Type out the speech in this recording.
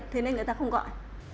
thế nên người ta không gọi